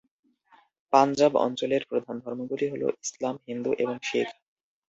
পাঞ্জাব অঞ্চলের প্রধান ধর্মগুলি হল ইসলাম, হিন্দু, এবং শিখ।